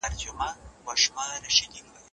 هغه د خپل زوی په غاړه کې مړ وموندل شو.